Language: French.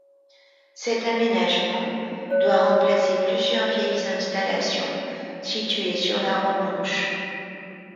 Cet aménagement doit remplacer plusieurs vieilles installations situées sur la Romanche.